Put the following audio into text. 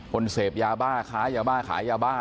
คนเสพยาบ้าค้ายาบ้าขายยาบ้า